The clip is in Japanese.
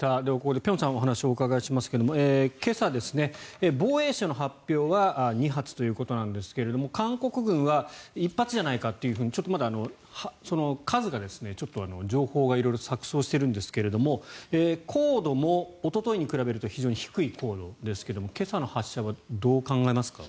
辺さんにお話をお伺いしますが今朝、防衛省の発表は２発ということなんですが韓国軍は１発じゃないかと数がちょっと情報が色々錯そうしているんですが高度もおとといに比べると非常に低い高度ですが今朝の発射はどう考えますか？